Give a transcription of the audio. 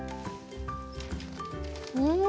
うん。